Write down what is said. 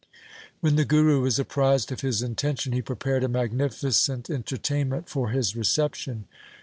When the Guru was apprised of his intention, he prepared a magnificent entertainment for his reception.